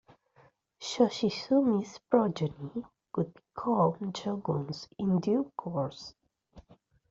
Yoshizumi's progeny would become shoguns in due course.